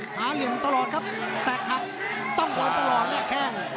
หาเหยื่อมตลอดครับแต่ครับต้องหวานตลอดนะแก้ง